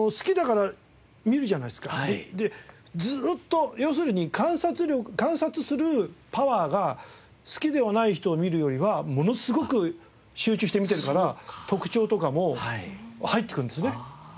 でずーっと要するに観察するパワーが好きではない人を見るよりはものすごく集中して見てるから特徴とかも入ってくるんですね。